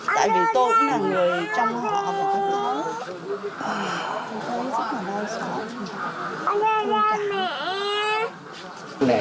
tại vì tôi cũng là người trong họ và con gái